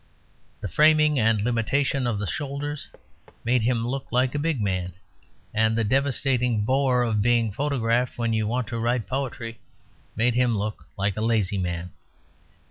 The framing and limitation of the shoulders made him look like a big man; and the devastating bore of being photographed when you want to write poetry made him look like a lazy man.